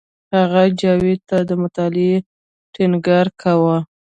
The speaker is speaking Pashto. هغه جاوید ته د مطالعې ټینګار کاوه